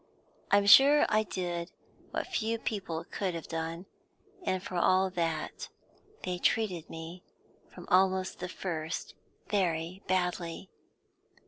I'm sure I did what few people could have done, and for all that they treated me from almost the first very badly.